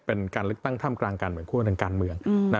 เป็นการเลิกตั้งท่ามกลางกันเหมือนกันการเมือง